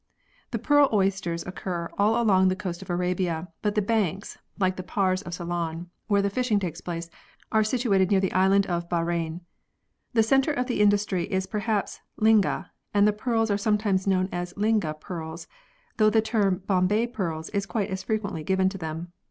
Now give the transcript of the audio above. The pearl oysters occur all along the coast of Arabia, but the banks (like the paars of Ceylon) where the fishing takes place, are situated near the island of Bahrein. The centre of the industry is perhaps Lingah, and the pearls are sometimes known as Lingah pearls, though the term " Bombay pearls " is quite as frequently given to them.